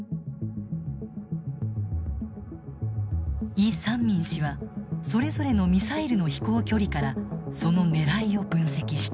イ・サンミン氏はそれぞれのミサイルの飛行距離からその狙いを分析した。